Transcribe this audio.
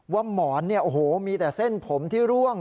หมอนเนี่ยโอ้โหมีแต่เส้นผมที่ร่วง